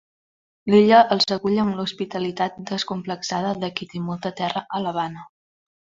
L'Illa els acull amb l'hospitalitat desacomplexada de qui té molta terra a L'Havana.